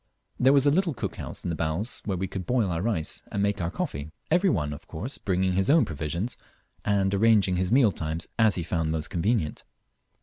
There was a little cookhouse in the bows, where we could boil our rice and make our coffee, every one of course bringing his own provisions, and arranging his meal times as he found most convenient.